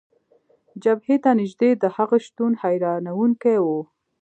جبهې ته نژدې د هغه شتون، حیرانونکی و.